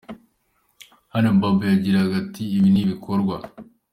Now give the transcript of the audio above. Hano Babu yagiraga ati: Ibi ni ibikorwa.